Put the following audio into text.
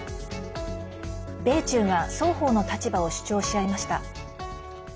米中が双方の立場を主張し合いました。